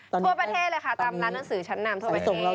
ทั่วประเทศเลยค่ะตามร้านหนังสือชั้นนามทั่วประเทศ